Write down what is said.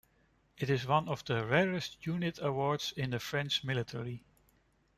It is one of the rarest unit awards in the French military.